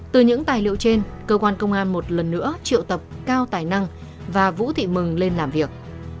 từ những tài liệu trên cơ quan công an một lần nữa triệu tập cao tài năng và vũ thị mừng lên làm việc